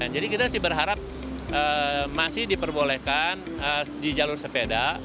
jadi kita sih berharap masih diperbolehkan di jalur sepeda